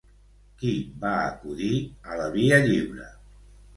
Qui va acudir a la Via Lliure?